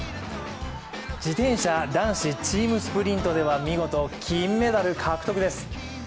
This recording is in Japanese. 自転車・男子チームスプリントでは見事、金メダル獲得です。